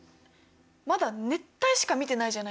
まだ熱帯しか見ていないじゃないですか。